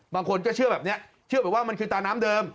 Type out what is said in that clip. บางคนก็เชื่อแบบนี้เชื่อแบบว่ามันคือตาน้ำเดิม